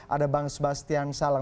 ada bang sebastian salang